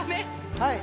はい。